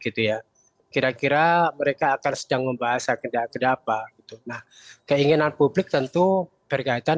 gitu ya kira kira mereka akan sedang membahas agar kenapa keinginan publik tentu berkaitan